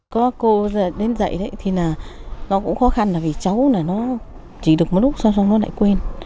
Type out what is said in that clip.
có cô đến dạy thì là nó cũng khó khăn là vì cháu là nó chỉ được một lúc xong xong nó lại quên